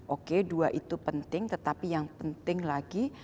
oke dua itu penting tetapi yang penting lagi